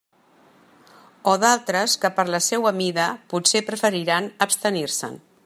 O d'altres que, per la seua mida, potser preferiran abstenir-se'n.